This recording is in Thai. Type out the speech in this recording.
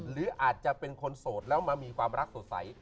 หรืออาจจะเป็นคนโสดแล้วมามีความรักสดใส